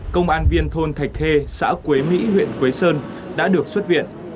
công an viên thôn thạch khê xã quế mỹ huyện quế sơn đã được xuất viện